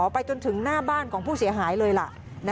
ไปจนถึงหน้าบ้านของผู้เสียหายเลยล่ะ